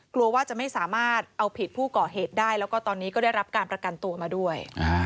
กลัวว่าจะไม่สามารถเอาผิดผู้ก่อเหตุได้แล้วก็ตอนนี้ก็ได้รับการประกันตัวมาด้วย